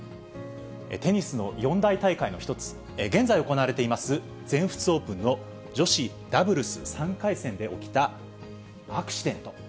テニスの四大大会の一つ、現在行われています、全仏オープンの女子ダブルス３回戦で起きたアクシデント。